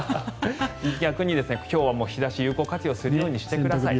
逆に今日は日差しを有効活用するようにしてください。